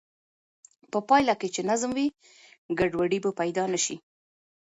په پایله کې چې نظم وي، ګډوډي به پیدا نه شي.